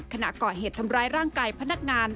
ขณะก่อเหตุทำร้ายร่างกายพนักงาน